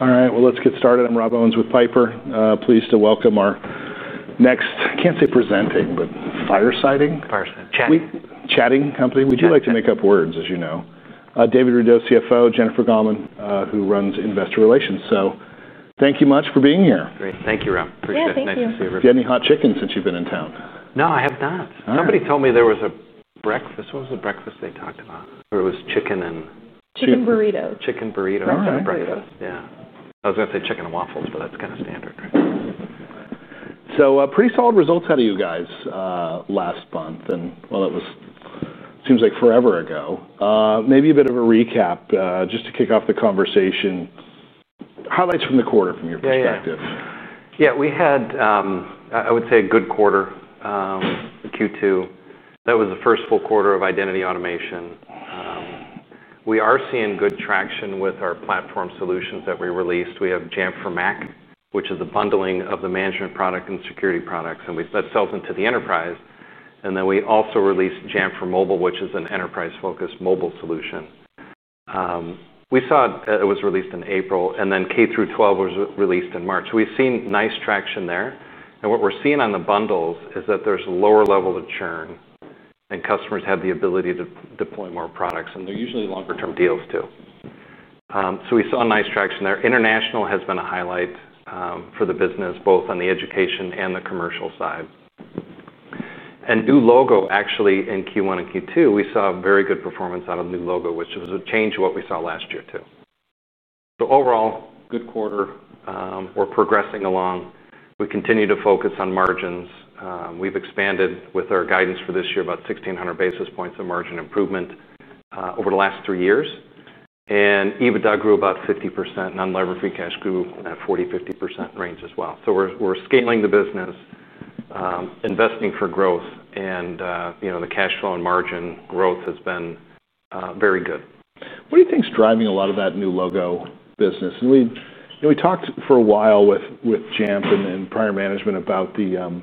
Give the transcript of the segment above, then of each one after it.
All right, let's get started. I'm Rob Owens with Piper. Pleased to welcome our next, I can't say presenting, but firesiding. Fireside, chat. Chatting company. We do like to make up words, as you know. David Rudow, CFO, Jennifer Gaumond, who runs Investor Relations. Thank you much for being here. Great. Thank you, Rob. Appreciate it. You've had any hot chicken since you've been in town? No, I have not. Somebody told me there was a breakfast. What was the breakfast they talked about? It was chicken and... Chicken burrito. Chicken burrito. All right. Burrito. Yeah. I was going to say chicken and waffles, but that's kind of standard. Pretty solid results out of you guys last month. While that was, it seems like forever ago, maybe a bit of a recap just to kick off the conversation. Highlights from the quarter from your perspective. Yeah, yeah, we had, I would say, a good quarter, the Q2. That was the first full quarter of Identity Automation. We are seeing good traction with our platform solutions that we released. We have Jamf for Mac, which is a bundling of the management product and security products, and that sells into the enterprise. We also released Jamf for Mobile, which is an enterprise-focused mobile solution. We saw it was released in April, and then K-12 was released in March. We've seen nice traction there. What we're seeing on the bundles is that there's a lower level of churn, and customers have the ability to deploy more products, and they're usually longer-term deals too. We saw nice traction there. International has been a highlight for the business, both on the education and the commercial side. New logo actually in Q1 and Q2, we saw very good performance out of the new logo, which was a change to what we saw last year too. Overall, good quarter. We're progressing along. We continue to focus on margins. We've expanded with our guidance for this year, about 1,600 basis points of margin improvement over the last three years. EBITDA grew about 50%, and on lever free cash grew that 40%-50% range as well. We're scaling the business, investing for growth, and, you know, the cash flow and margin growth has been very good. What do you think is driving a lot of that new logo business? We talked for a while with Jamf and prior management about the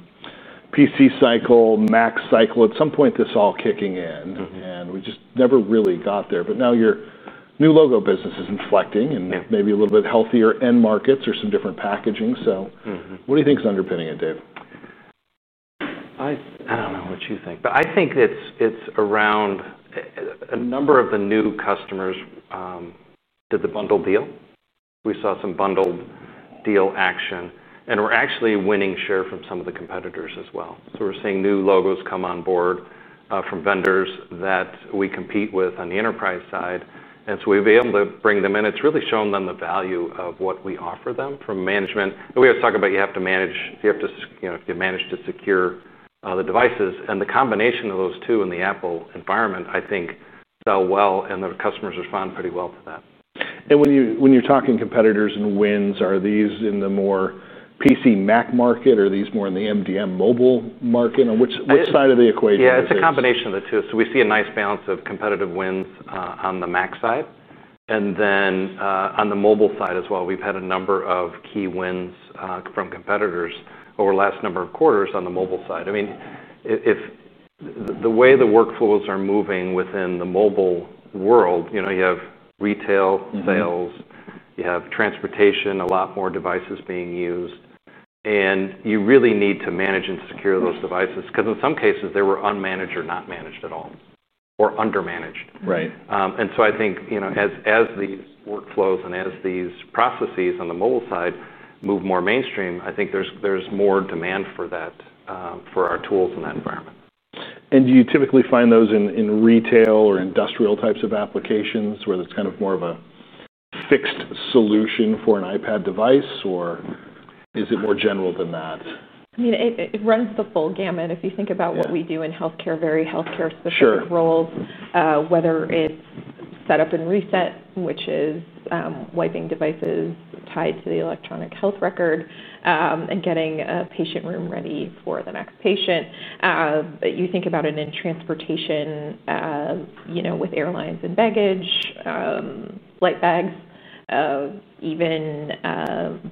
PC cycle, Mac cycle, at some point this all kicking in, and we just never really got there. Now your new logo business is inflecting and maybe a little bit healthier end markets or some different packaging. What do you think is underpinning it, Dave? I don't know what you think, but I think it's around a number of the new customers did the bundle deal. We saw some bundled deal action, and we're actually winning share from some of the competitors as well. We're seeing new logos come on board from vendors that we compete with on the enterprise side, and we've been able to bring them in. It's really shown them the value of what we offer them from management. We always talk about you have to manage, you have to, you know, if you manage to secure the devices, and the combination of those two in the Apple environment, I think, sell well, and the customers respond pretty well to that. When you're talking competitors and wins, are these in the more PC Mac market? Are these more in the MDM mobile market? On which side of the equation? Yeah, it's a combination of the two. We see a nice balance of competitive wins on the Mac side, and then on the mobile side as well, we've had a number of key wins from competitors over the last number of quarters on the mobile side. If the way the workflows are moving within the mobile world, you have retail sales, you have transportation, a lot more devices being used, and you really need to manage and secure those devices because in some cases they were unmanaged or not managed at all or undermanaged. Right. I think, you know, as these workflows and as these processes on the mobile side move more mainstream, I think there's more demand for that, for our tools in that environment. Do you typically find those in retail or industrial types of applications where it's kind of more of a fixed solution for an iPad device, or is it more general than that? It runs the full gamut. If you think about what we do in healthcare, very healthcare-specific roles, whether it's setup and reset, which is wiping devices tied to the electronic health record and getting a patient room ready for the next patient. You think about it in transportation, with airlines and baggage, flight bags, even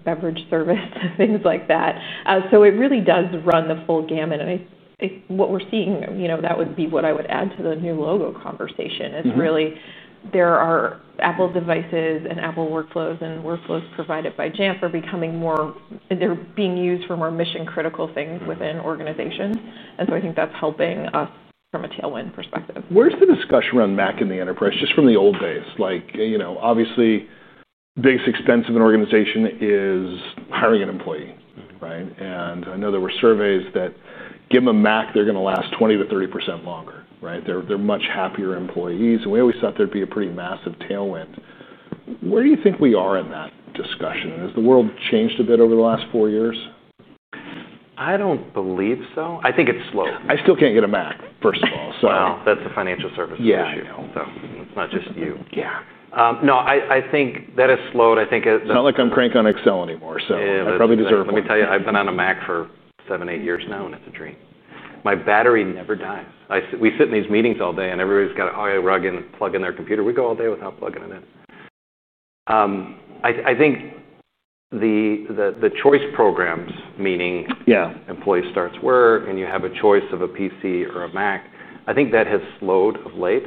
beverage service, things like that. It really does run the full gamut. What we're seeing, that would be what I would add to the new logo conversation, is really there are Apple devices and Apple workflows, and workflows provided by Jamf are becoming more, they're being used for more mission-critical things within organizations. I think that's helping us from a tailwind perspective. Where's the discussion around Mac in the enterprise, just from the old days? Obviously, the biggest expense of an organization is hiring an employee, right? I know there were surveys that give them a Mac, they're going to last 20%-30% longer, right? They're much happier employees. We always thought there'd be a pretty massive tailwind. Where do you think we are in that discussion? Has the world changed a bit over the last four years? I don't believe so. I think it's slow. I still can't get a Mac, first of all. That's a financial services issue. Yeah, I know. It's not just you. Yeah. No, I think that has slowed. I think. It's not like I'm cranking on Excel anymore. I probably deserve. Yeah, let me tell you, I've been on a Mac for seven, eight years now, and it's a dream. My battery never dies. We sit in these meetings all day, and everybody's got an [AC] plug in their computer. We go all day without plugging it in. I think the choice programs, meaning employee starts work, and you have a choice of a PC or a Mac, I think that has slowed of late.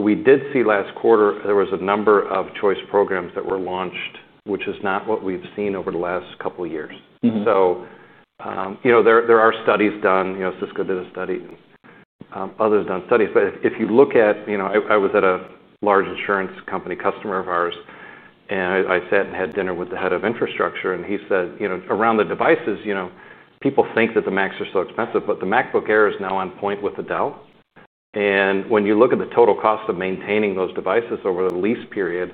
We did see last quarter, there was a number of choice programs that were launched, which is not what we've seen over the last couple of years. There are studies done, you know, Cisco did a study, others done studies. If you look at, you know, I was at a large insurance company customer of ours, and I sat and had dinner with the Head of Infrastructure, and he said, you know, around the devices, you know, people think that the Macs are so expensive, but the MacBook Air is now on point with the Dell. When you look at the total cost of maintaining those devices over the lease period,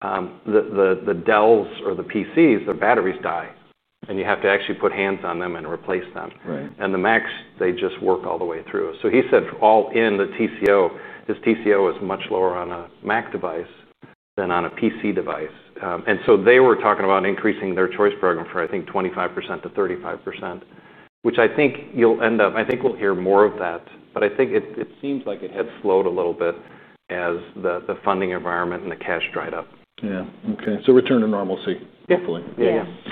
the Dells or the PCs, their batteries die. You have to actually put hands on them and replace them. The Macs, they just work all the way through. He said all in the TCO, his TCO is much lower on a Mac device than on a PC device. They were talking about increasing their choice program from, I think, 25%-35%, which I think you'll end up, I think we'll hear more of that. I think it seems like it had slowed a little bit as the funding environment and the cash dried up. Yeah, okay. Return to normalcy. Yeah,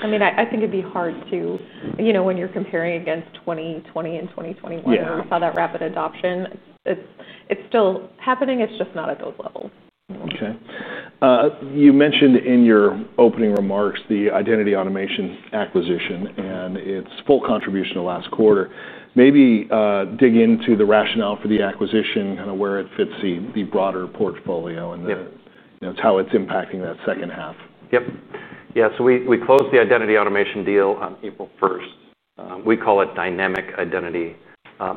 I mean, I think it'd be hard to, you know, when you're comparing against 2020 and 2022, we saw that rapid adoption. It's still happening, it's just not at those levels. Okay. You mentioned in your opening remarks the Identity Automation acquisition and its full contribution to last quarter. Maybe dig into the rationale for the acquisition, kind of where it fits the broader portfolio, and how it's impacting that second half. Yep. Yeah, we closed the Identity Automation deal on April 1st. We call it dynamic identity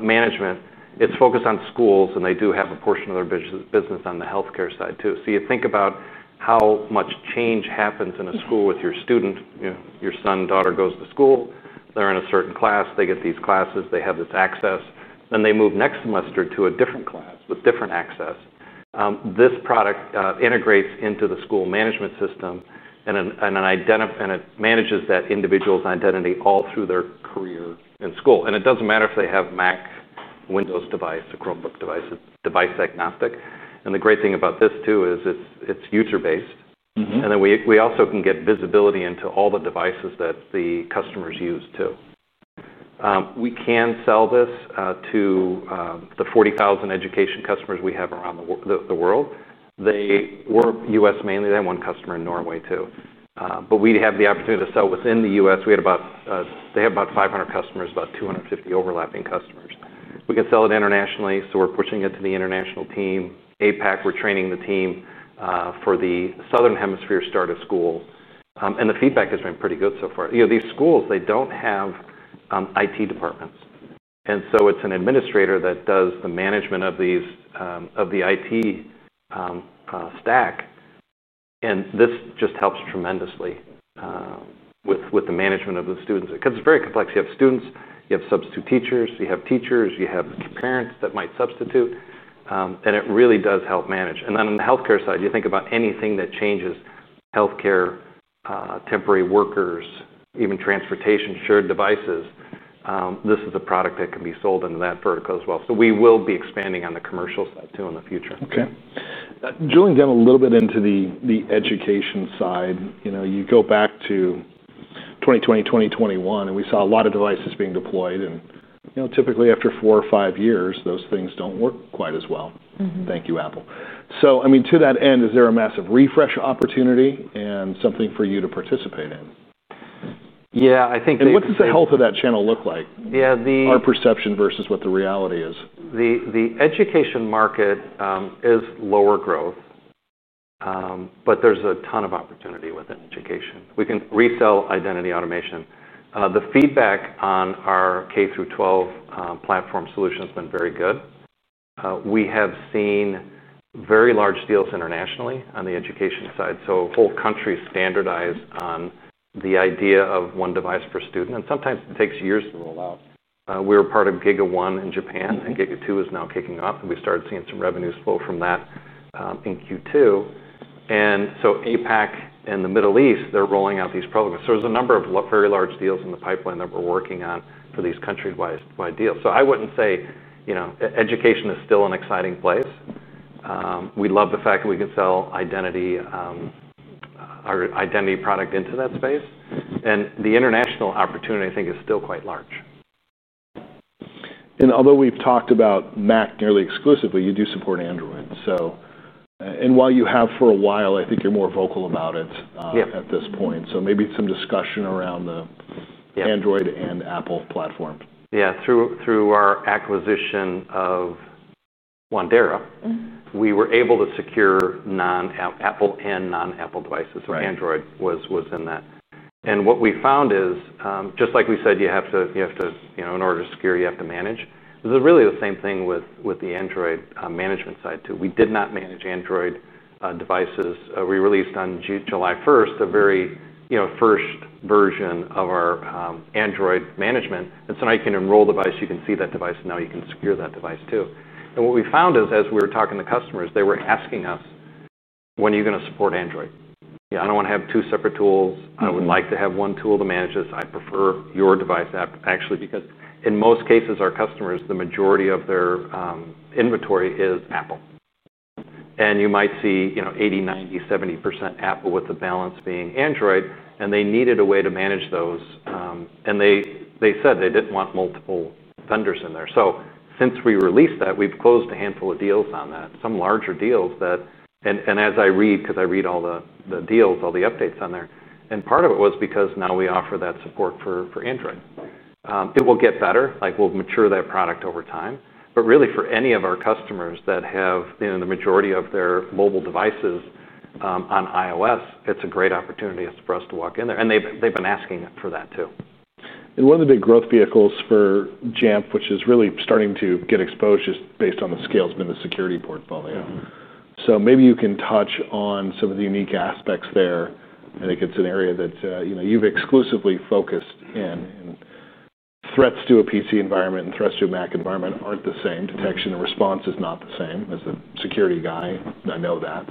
management. It's focused on schools, and they do have a portion of their business on the healthcare side too. You think about how much change happens in a school with your student. You know, your son, daughter goes to school, they're in a certain class, they get these classes, they have this access, then they move next semester to a different class with different access. This product integrates into the school management system, and it manages that individual's identity all through their career in school. It doesn't matter if they have Mac, Windows device, or Chromebook devices, it's device agnostic. The great thing about this too is it's user-based. We also can get visibility into all the devices that the customers use too. We can sell this to the 40,000 education customers we have around the world. They were U.S. mainly. They have one customer in Norway too. We'd have the opportunity to sell within the U.S. We had about, they had about 500 customers, about 250 overlapping customers. We could sell it internationally. We're pushing it to the international team. APAC, we're training the team for the Southern Hemisphere start of school. The feedback has been pretty good so far. These schools, they don't have IT departments. It's an administrator that does the management of the IT stack. This just helps tremendously with the management of the students because it's very complex. You have students, you have substitute teachers, you have teachers, you have parents that might substitute. It really does help manage. On the healthcare side, you think about anything that changes healthcare, temporary workers, even transportation, shared devices. This is a product that can be sold into that vertical as well. We will be expanding on the commercial side too in the future. Okay. Drilling down a little bit into the education side, you know, you go back to 2020, 2021, and we saw a lot of devices being deployed. Typically after four or five years, those things don't work quite as well. Thank you, Apple. To that end, is there a massive refresh opportunity and something for you to participate in? I think. What does the health of that channel look like? Yeah, the. Our perception versus what the reality is. The education market is lower growth, but there's a ton of opportunity with education. We can resell Identity Automation. The feedback on our K-12 platform solution has been very good. We have seen very large deals internationally on the education side. The whole country is standardized on the idea of one device per student, and sometimes it takes years to roll out. We were part of the GIGA1 program in Japan, and GIGA2 is now kicking off. We started seeing some revenue flow from that in Q2. APAC and the Middle East are rolling out these programs. There are a number of very large deals in the pipeline that we're working on for these country-wide deals. I wouldn't say, you know, education is still an exciting place. We love the fact that we can sell our identity product into that space, and the international opportunity, I think, is still quite large. Although we've talked about Mac nearly exclusively, you do support Android. You have for a while, and I think you're more vocal about it at this point. Maybe some discussion around the Android and Apple platform. Yeah, through our acquisition of Wandera, we were able to secure Apple and non-Apple devices. Android was in that. What we found is, just like we said, you have to, you know, in order to secure, you have to manage. It was really the same thing with the Android management side too. We did not manage Android devices. We released on July 1st a very, you know, first version of our Android management. Now you can enroll a device, you can see that device, and now you can secure that device too. What we found is, as we were talking to customers, they were asking us, when are you going to support Android? I don't want to have two separate tools. I would like to have one tool to manage this. I prefer your device app, actually, because in most cases, our customers, the majority of their inventory is Apple. You might see, you know, 80%, 90%, 70% Apple with the balance being Android. They needed a way to manage those. They said they didn't want multiple vendors in there. Since we released that, we've closed a handful of deals on that, some larger deals that, and as I read, because I read all the deals, all the updates on there, part of it was because now we offer that support for Android. It will get better, like we'll mature that product over time. Really, for any of our customers that have, you know, the majority of their mobile devices on iOS, it's a great opportunity for us to walk in there. They've been asking for that too. One of the big growth vehicles for Jamf, which is really starting to get exposed, is based on the scales in the security portfolio. Maybe you can touch on some of the unique aspects there. I think it's an area that, you know, you've exclusively focused in. Threats to a PC environment and threats to a Mac environment aren't the same. Detection and response is not the same as the security guy. I know that.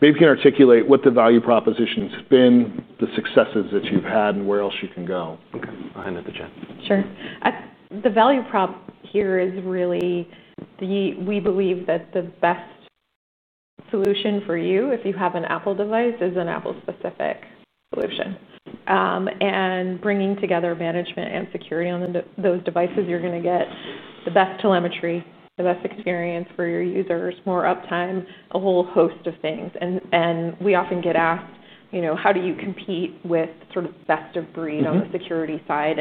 Maybe you can articulate what the value proposition has been, the successes that you've had, and where else you can go. Okay. I'll hand that to Jen. Sure. The value prop here is really that we believe the best solution for you, if you have an Apple device, is an Apple-specific solution. Bringing together management and security on those devices, you're going to get the best telemetry, the best experience for your users, more uptime, a whole host of things. We often get asked, you know, how do you compete with sort of best of breed on the security side?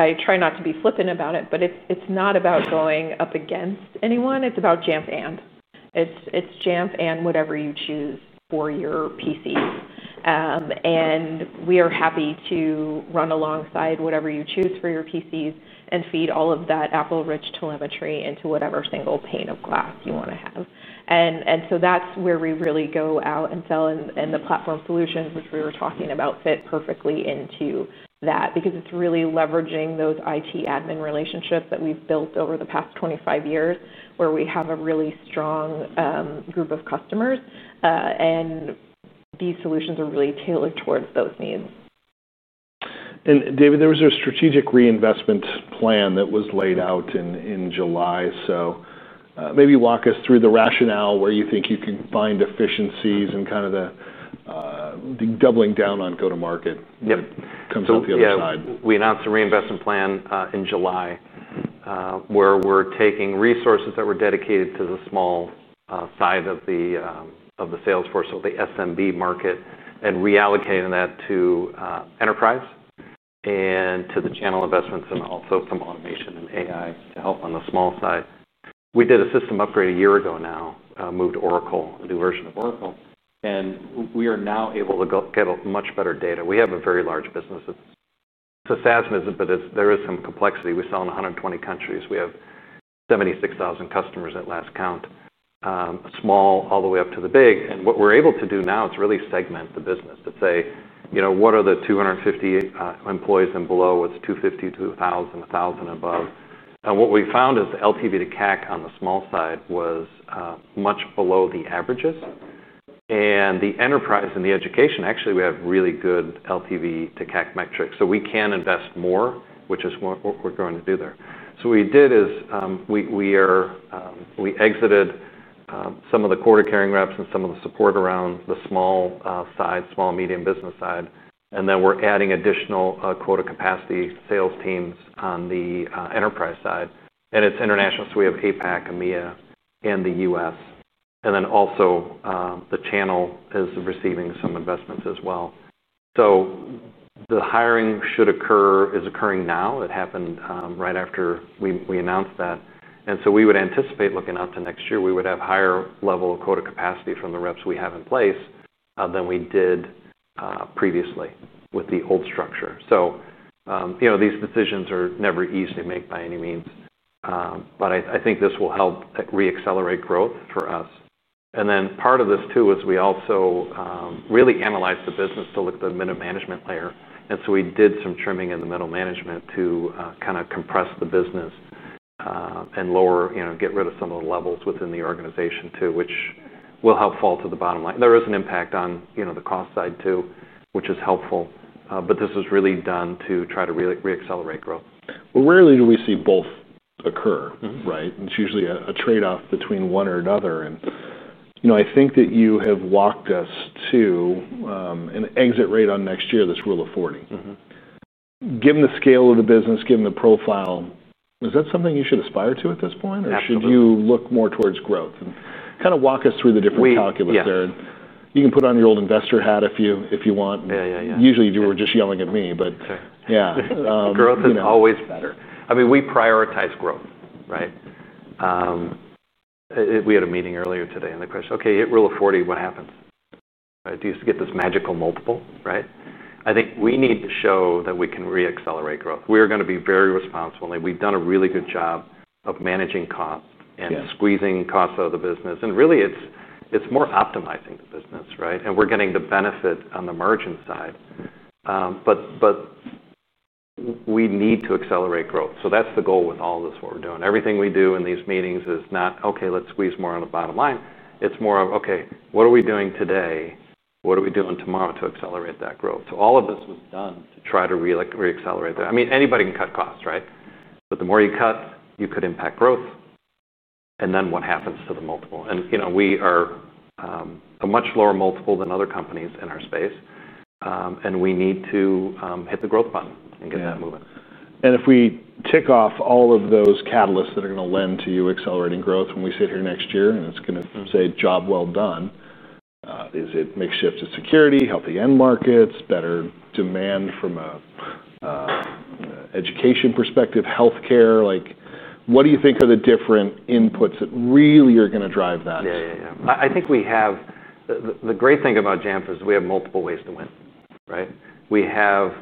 I try not to be flippant about it, but it's not about going up against anyone. It's about Jamf and. It's Jamf and whatever you choose for your PCs. We are happy to run alongside whatever you choose for your PCs and feed all of that Apple-rich telemetry into whatever single pane of glass you want to have. That's where we really go out and sell. The platform solution, which we were talking about, fit perfectly into that because it's really leveraging those IT admin relationships that we've built over the past 25 years where we have a really strong group of customers. These solutions are really tailored towards those needs. David, there was a strategic reinvestment plan that was laid out in July. Maybe walk us through the rationale where you think you can find efficiencies and kind of the doubling down on go-to-market when it comes out the other side. We announced a reinvestment plan in July where we're taking resources that were dedicated to the small side of the sales force, so the SMB market, and reallocating that to enterprise and to the channel investments and also some automation and AI to help on the small side. We did a system upgrade a year ago now, moved Oracle, a new version of Oracle, and we are now able to get much better data. We have a very large business. It's a SaaS business, but there is some complexity. We sell in 120 countries. We have 76,000 customers at last count, small all the way up to the big. What we're able to do now is really segment the business to say, you know, what are the 250 employees and below? What's 250, 2,000, 1,000 above? What we found is the LTV to CAC on the small side was much below the averages. The enterprise and the education, actually, we have really good LTV to CAC metrics. We can invest more, which is what we're going to do there. What we did is we exited some of the quota carrying reps and some of the support around the small side, small medium business side. We're adding additional quota capacity sales teams on the enterprise side. It's international. We have APAC, EMEA, and the U.S. The channel is receiving some investments as well. The hiring should occur, is occurring now. It happened right after we announced that. We would anticipate looking out to next year, we would have a higher level of quota capacity from the reps we have in place than we did previously with the old structure. These decisions are never easy to make by any means. I think this will help reaccelerate growth for us. Part of this too is we also really analyzed the business to look at the middle management layer. We did some trimming in the middle management to kind of compress the business and lower, you know, get rid of some of the levels within the organization too, which will help fall to the bottom line. There is an impact on, you know, the cost side too, which is helpful. This was really done to try to reaccelerate growth. Rarely do we see both occur, right? It's usually a trade-off between one or another. I think that you have walked us to an exit rate on next year, this Rule of 40. Given the scale of the business, given the profile, is that something you should aspire to at this point? Should you look more towards growth? Kind of walk us through the different calculus there. You can put on your old investor hat if you want. Yeah. Usually, you were just yelling at me, but yeah. Growth is always better. I mean, we prioritize growth, right? We had a meeting earlier today and the question, okay, hit Rule of 40, what happens? Do you get this magical multiple, right? I think we need to show that we can reaccelerate growth. We are going to be very responsible. We've done a really good job of managing costs and squeezing costs out of the business. It's more optimizing the business, right? We're getting the benefits on the margin side. We need to accelerate growth. That's the goal with all this, what we're doing. Everything we do in these meetings is not, okay, let's squeeze more on the bottom line. It's more of, okay, what are we doing today? What are we doing tomorrow to accelerate that growth? All of this was done to try to reaccelerate that. Anybody can cut costs, right? The more you cut, you could impact growth. Then what happens to the multiple? We are a much lower multiple than other companies in our space. We need to hit the growth button and get that moving. If we tick off all of those catalysts that are going to lend to you accelerating growth when we sit here next year and it's going to say, job well done, is it makes shifts to security, healthy end markets, better demand from an education perspective, healthcare? What do you think are the different inputs that really are going to drive that? I think we have, the great thing about Jamf is we have multiple ways to win, right? We have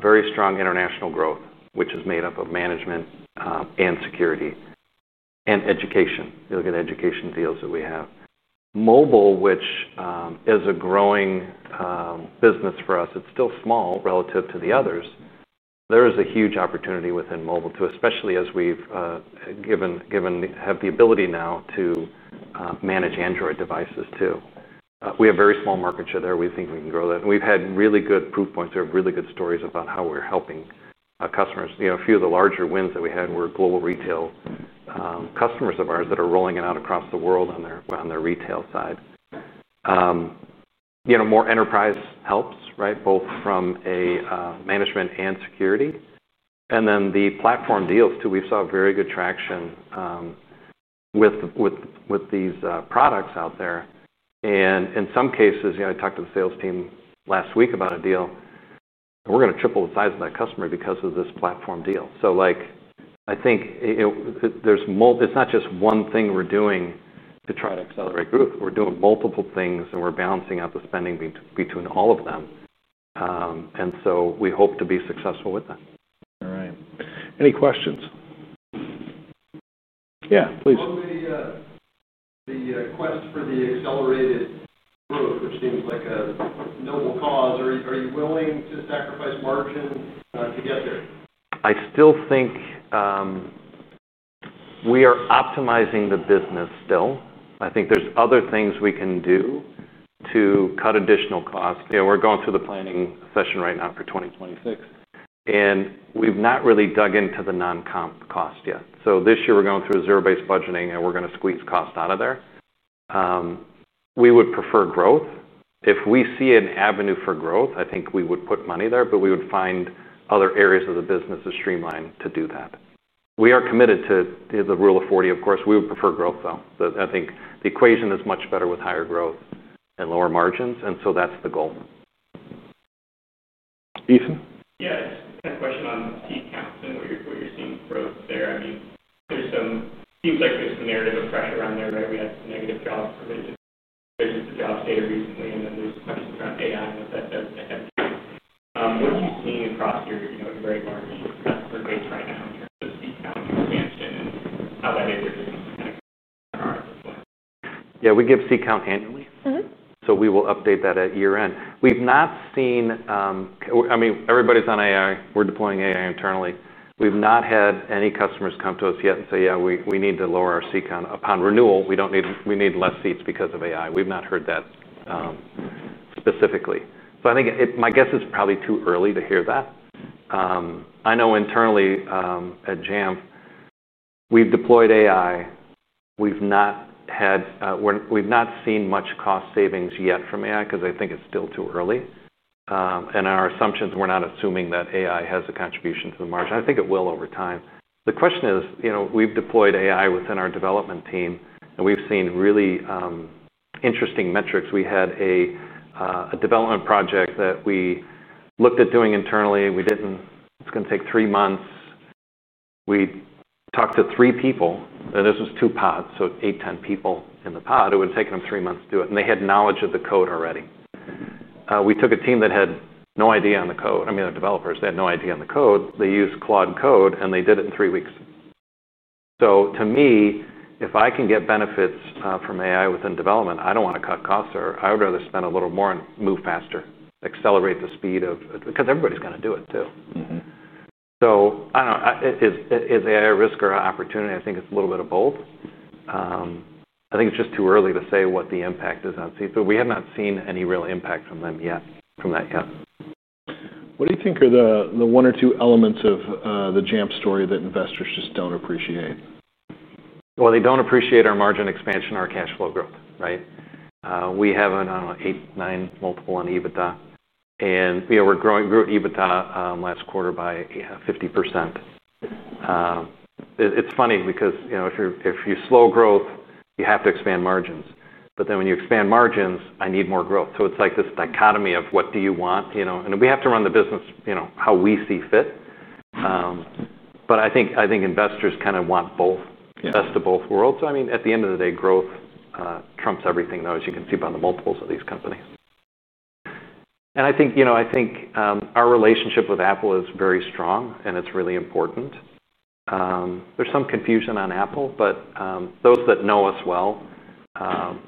very strong international growth, which is made up of management and security and education. You look at the education deals that we have. Mobile, which is a growing business for us, it's still small relative to the others. There is a huge opportunity within mobile too, especially as we have the ability now to manage Android devices too. We have very small market share there. We think we can grow that. We've had really good proof points. We have really good stories about how we're helping customers. A few of the larger wins that we had were global retail customers of ours that are rolling it out across the world on their retail side. More enterprise helps, right? Both from a management and security. The platform deals too, we saw very good traction with these products out there. In some cases, I talked to the sales team last week about a deal, and we're going to triple the size of that customer because of this platform deal. I think it's not just one thing we're doing to try to accelerate growth. We're doing multiple things and we're balancing out the spending between all of them. We hope to be successful with that. All right. Any questions? Yeah, please. On the quest for the accelerated move, which seems like a noble cause, are you willing to sacrifice margin? I still think we are optimizing the business still. I think there's other things we can do to cut additional costs. We're going through the planning session right now for 2026, and we've not really dug into the non-comp cost yet. This year we're going through a zero-based budgeting, and we're going to squeeze cost out of there. We would prefer growth. If we see an avenue for growth, I think we would put money there, but we would find other areas of the business to streamline to do that. We are committed to the Rule of 40, of course. We would prefer growth, though. I think the equation is much better with higher growth and lower margins. That's the goal. [Ethan?] Yeah, we give seat count annually. We will update that at year-end. We've not seen, I mean, everybody's on AI. We're deploying AI internally. We've not had any customers come to us yet and say, yeah, we need to lower our seat count. Upon renewal, we need less seats because of AI. We've not heard that specifically. I think my guess is probably too early to hear that. I know internally at Jamf, we've deployed AI. We've not seen much cost savings yet from AI because I think it's still too early. Our assumptions, we're not assuming that AI has a contribution to the margin. I think it will over time. The question is, we've deployed AI within our development team. We've seen really interesting metrics. We had a development project that we looked at doing internally. It was going to take three months. We talked to three people. This was two pods, so eight, 10 people in the pod. It would have taken them three months to do it, and they had knowledge of the code already. We took a team that had no idea on the code. The developers, they had no idea on the code. They used Claude Code, and they did it in three weeks. To me, if I can get benefits from AI within development, I don't want to cut costs there. I would rather spend a little more and move faster, accelerate the speed of, because everybody's going to do it too. I don't know, is AI a risk or an opportunity? I think it's a little bit of both. I think it's just too early to say what the impact is on seats. We have not seen any real impact from that yet. What do you think are the one or two elements of the Jamf story that investors just don't appreciate? They don't appreciate our margin expansion, our cash flow growth, right? We have an 8x, 9x multiple on EBITDA. We're growing EBITDA last quarter by 50%. It's funny because, you know, if you slow growth, you have to expand margins. When you expand margins, I need more growth. It's like this dichotomy of what do you want, you know? We have to run the business, you know, how we see fit. I think investors kind of want both, best of both worlds. At the end of the day, growth trumps everything, though, as you can see by the multiples of these companies. I think our relationship with Apple is very strong and it's really important. There's some confusion on Apple, but those that know us well,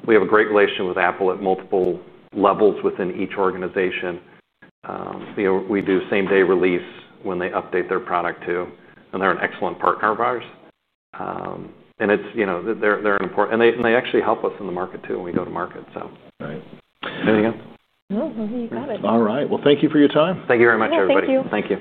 we have a great relationship with Apple at multiple levels within each organization. We do same-day release when they update their product too. They're an excellent partner of ours. They're important. They actually help us in the market too when we go to market. Right, anything else? Nope, I think you got it. All right. Thank you for your time. Thank you very much, everybody. Thank you. Thank you.